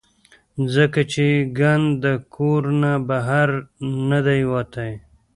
ځکه چې ګند د کور نه بهر نۀ دے وتے -